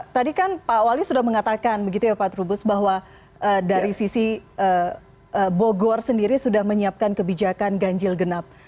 tadi kan pak wali sudah mengatakan begitu ya pak trubus bahwa dari sisi bogor sendiri sudah menyiapkan kebijakan ganjil genap